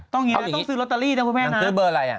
ต้องซื้อโรตตาลีนะคุณแม่น้ำ